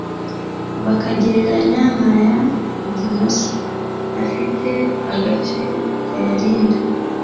bakagereranya n’aya Dinosaur afite agace kayarinda